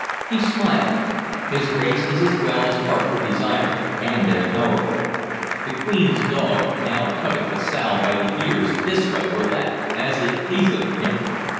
He smiled. "His Grace is as well as heart could desire, and as powerful. The Queen's dog now tuggeth the sow by the ears this way or that, as it pleaseth him.